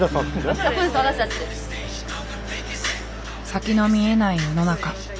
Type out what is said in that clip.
先の見えない世の中。